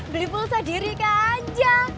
beli pulsa diri ke aja